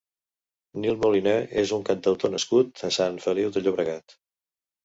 Nil Moliner és un cantautor nascut a Sant Feliu de Llobregat.